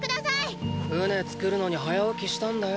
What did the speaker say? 船作るのに早起きしたんだよ。